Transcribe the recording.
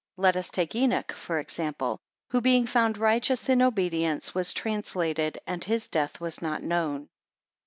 Let us take Enoch for our example; who being found righteous in obedience, was translated, and his death was not known.